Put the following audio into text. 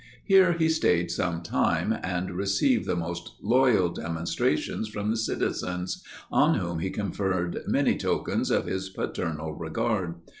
Here he stayed some time, and received the most loyal demonstrations from the citizens, on whom he conferred many tokens of his paternal regard.